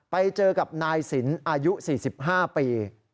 ไปเจอกับนายสินอายุ๔๕ปี